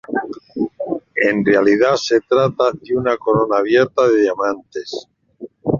En realidad se trata de una corona abierta de diamantes.